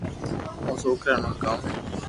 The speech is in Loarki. او سوڪرا رو نوم ڪاو ھي